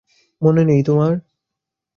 মনে নেই তোমার?